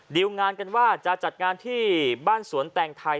งานกันว่าจะจัดงานที่บ้านสวนแต่งไทย